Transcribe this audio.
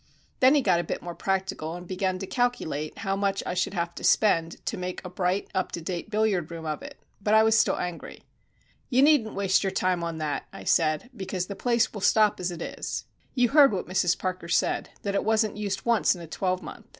Then he got a bit more practical, and began to calculate how much I should have to spend to make a bright, up to date billiard room of it. But I was still angry. "You needn't waste your time on that," I said, "because the place will stop as it is. You heard what Mrs Parker said that it wasn't used once in a twelvemonth.